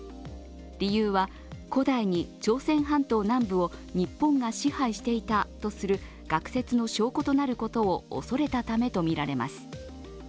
理由は、古代に朝鮮半島南部を日本が支配していたとする学説の証拠となることをおそれたためとみられます。